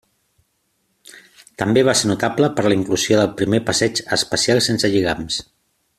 També va ser notable per a la inclusió del primer passeig espacial sense lligams.